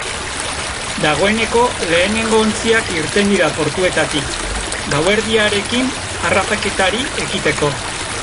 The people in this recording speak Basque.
Dagoeneko lehenengo ontziak irten dira portuetatik, gauerdiarekin harrapaketari ekiteko.